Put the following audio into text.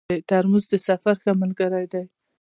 ترموز د سفر ښه ملګری دی.